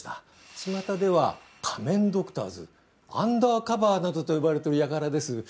ちまたでは仮面ドクターズアンダーカバーなどと呼ばれてるやからです